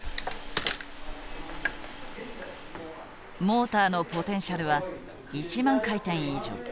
モーターのポテンシャルは１万回転以上。